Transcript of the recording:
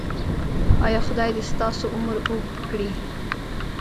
ایا خدای دې ستاسو عمر اوږد کړي؟